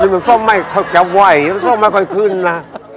นี่มันซ่อมไม่เธอจะไหวมันซ่อมไม่ค่อยขึ้นนะ